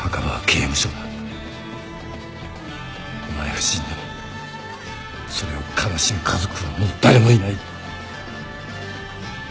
お前が死んでもそれを悲しむ家族はもう誰もいない。